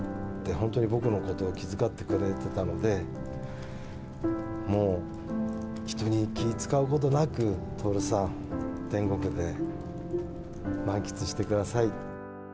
本当に僕のことを気遣ってくれてたので、もう人に気を遣うことなく、徹さん、天国で満喫してください。